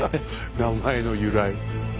名前の由来。